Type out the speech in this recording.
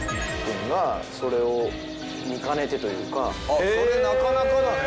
あっそれなかなかだね。